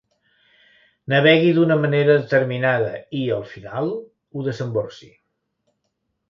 Navegui d'una manera determinada i, al final, ho desemborsi.